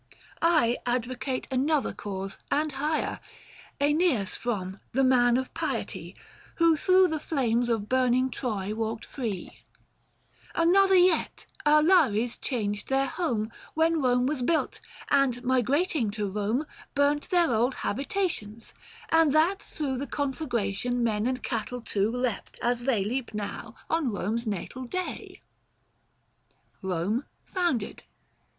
I advocate another cause and higher, ./Eneas from, the man of piety, 925 W r ho thro' the flames of burning Troy walked free. 134 THE FASTI. Book IV. Another yet, our Lares changed their home When Eome was built, and migrating to Borne, Burnt their old. habitations ; and that through The conflagration men and cattle too 930 Leapt as they leap now on Eome's natal day. EOME FOUNDED.